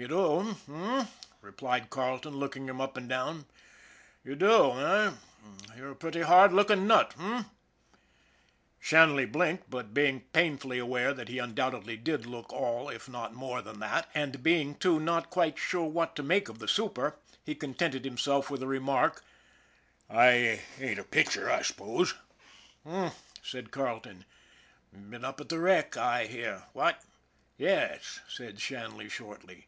"You do, eh?" replied Carleton, looking him up and down. " You do, eh ? You're a pretty hard look ing nut, h'm ?" Shanley blinked, but, being painfully aware that he undoubtedly did look all if not more than that, and being, too, not quite sure what to make of the super, he contented himself with the remark: " I ain't a picture, I suppose." " H'm !" said Carleton. " Been up at the wreck, I hear what ?" "Yes," said Shanley shortly.